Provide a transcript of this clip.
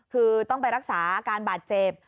คือต้องไปรักษาอาการบาดเจ็บ